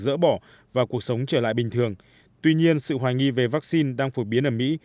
dỡ bỏ và cuộc sống trở lại bình thường tuy nhiên sự hoài nghi về vaccine đang phổ biến ở mỹ